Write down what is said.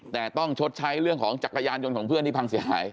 แต่ต้องชดใช้เรื่องของจักรยานยนต์ของเพื่อนที่พังเสียหาย